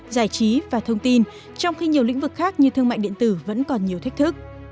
giải trí và thông tin trong khi nhiều lĩnh vực khác như thương mại điện tử vẫn còn nhiều thách thức